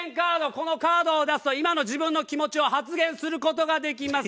このカードを出すと今の自分の気持ちを発言する事ができます。